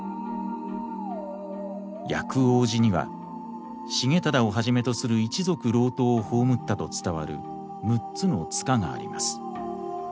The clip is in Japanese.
薬王寺には重忠をはじめとする一族郎党を葬ったと伝わる６つの塚があります。